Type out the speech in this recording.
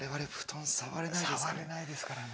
触れないですからね。